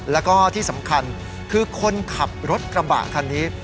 แล้วก็ที่สำคัญคือคนขับรถกระบะคันนี้